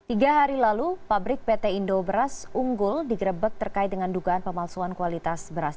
tiga hari lalu pabrik pt indo beras unggul digrebek terkait dengan dugaan pemalsuan kualitas beras